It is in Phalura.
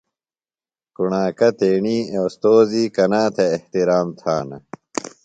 کُݨاکہ تیݨی اوستوذی کنا تھےۡ احترام تھانہ؟